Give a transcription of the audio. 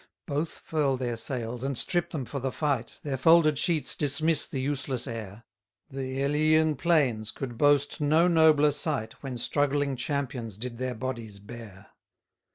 56 Both furl their sails, and strip them for the fight; Their folded sheets dismiss the useless air: The Elean plains could boast no nobler sight, When struggling champions did their bodies bare.